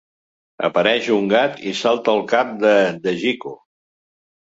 Apareix un gat i salta al cap de Dejiko.